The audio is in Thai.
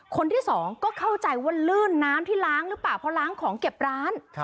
คนที่สองก็เข้าใจว่าลื่นน้ำที่ล้างหรือเปล่าเพราะล้างของเก็บร้าน